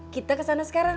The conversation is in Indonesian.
kita kesana sekarang